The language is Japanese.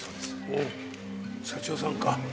おお社長さんか。